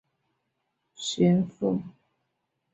顺治八年任江西巡抚。